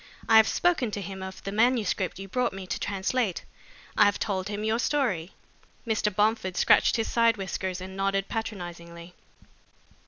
I have spoken to him of the manuscript you brought me to translate. I have told him your story." Mr. Bomford scratched his side whiskers and nodded patronizingly.